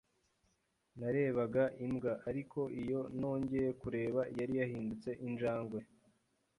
Narebaga imbwa. Ariko, iyo nongeye kureba, yari yarahindutse injangwe.